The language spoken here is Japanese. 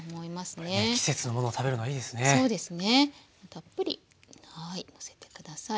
たっぷりはいのせて下さい。